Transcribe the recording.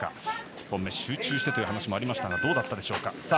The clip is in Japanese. １本目集中してという話もありましたがどうだったでしょうか。